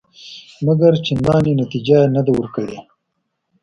مګر چندانې نتیجه یې نه ده ورکړې.